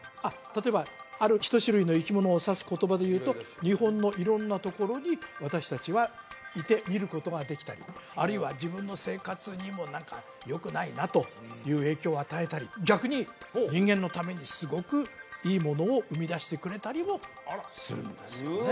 例えばある一種類の生き物を指す言葉で言うと日本の色んなところに私達はいて見ることができたりあるいは自分の生活にも何かよくないなという影響を与えたり逆に人間のためにすごくいいものを生み出してくれたりもするんですよね